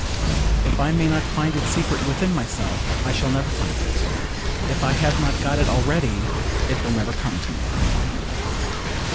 If I may not find its secret within myself, I shall never find it: if I have not got it already, it will never come to me.